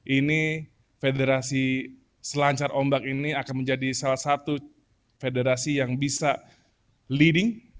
ini federasi selancar ombak ini akan menjadi salah satu federasi yang bisa leading